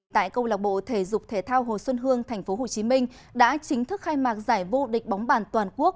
tại công lạc bộ thể dục thể thao hồ xuân hương tp hcm đã chính thức khai mạc giải vô địch bóng bàn toàn quốc